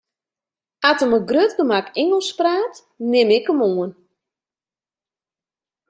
As er mei grut gemak Ingelsk praat, nim ik him oan.